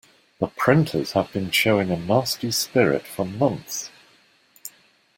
The printers have been showing a nasty spirit for months.